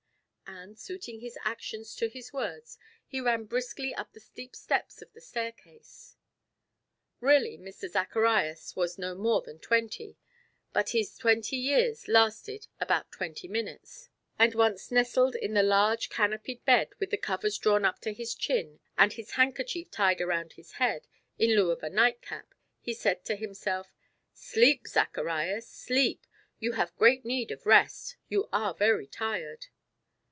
And suiting his actions to his words, he ran briskly up the steep steps of the staircase. Really Mr. Zacharias was no more than twenty; but his twenty years lasted about twenty minutes, and once nestled in the large canopied bed, with the covers drawn up to his chin and his handkerchief tied around his head, in lieu of a nightcap, he said to himself: "Sleep Zacharias! Sleep! You have great need of rest; you are very tired."